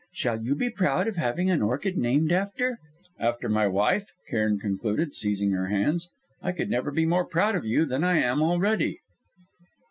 Shall you be proud of having an orchid named after " "After my wife?" Cairn concluded, seizing her hands. "I could never be more proud of you than I am already...."